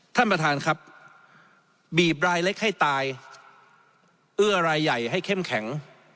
ท่านประธานครับบีบรายเล็กให้ตายเอื้อรายใหญ่ให้เข้มแข็ง